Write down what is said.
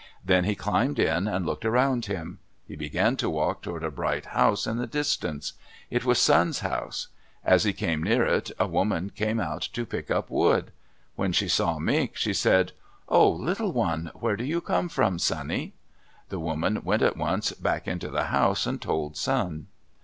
Then he climbed in and looked around him. He began to walk toward a bright house in the distance. It was Sun's house. As he came near it, a woman came out to pick up wood. When she saw Mink, she said, "Oh, little one! Where do you come from, sonny?" The woman went at once back into the house and told Sun.